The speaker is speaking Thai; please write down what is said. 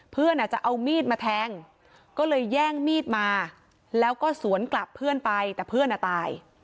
อาจจะเอามีดมาแทงก็เลยแย่งมีดมาแล้วก็สวนกลับเพื่อนไปแต่เพื่อนอ่ะตาย